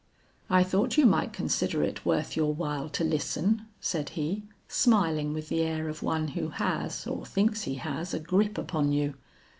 "'I thought you might consider it worth your while to listen,' said he, smiling with the air of one who has or thinks he has a grip upon you.